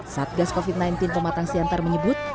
satgas covid sembilan belas pematang siantar menyebut